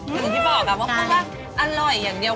อย่างที่บอกว่าพูดว่าอร่อยอย่างเดียว